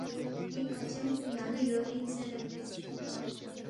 ن٘ی کھچیم پو یانگ لہ یو اِن زیرے رِبس